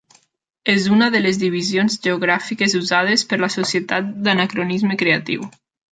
És una de les divisions geogràfiques usades per la Societat d'anacronisme creatiu.